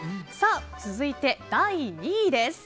続いて第２位です。